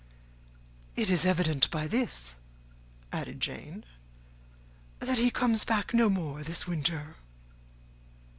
"It is evident by this," added Jane, "that he comes back no more this winter."